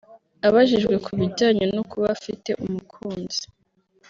Abajijwe ku kijyanye no kuba afite umukunzi